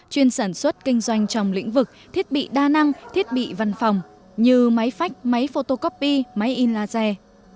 chuyên sản xuất kinh doanh trong lĩnh vực thiết bị đa năng thiết bị văn phòng như máy phách máy photocopy máy in laser